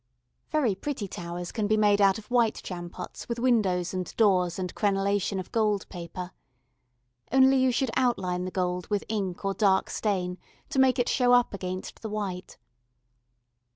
Very pretty towers can be made of white jam pots with windows and doors and crenellation of gold paper. Only you should outline the gold with ink or dark stain to make it show up against the white.